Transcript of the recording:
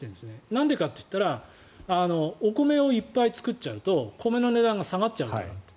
なんでかというとお米をいっぱい作っちゃうと米の値段が下がっちゃうから。